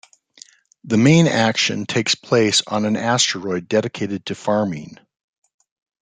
The main action takes place on an asteroid dedicated to farming.